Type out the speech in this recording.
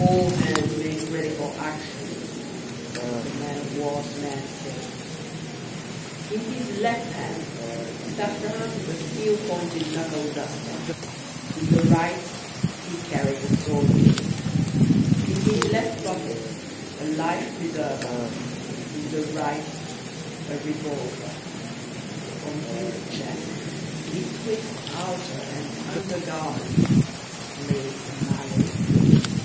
"All hands make ready for action!" as the men of war's men say. In his left hand Tartarin took a steel pointed knuckle duster; in the right he carried a sword cane; in his left pocket a life preserver; in the right a revolver. On his chest, betwixt outer and under garment, lay a Malay kreese.